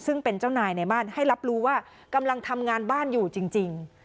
ซึ่งเป็นเจ้านายในบ้านให้รับรู้ว่ากำลังทำงานบ้านอยู่จริง